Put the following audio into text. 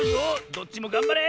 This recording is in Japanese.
どっちもがんばれ！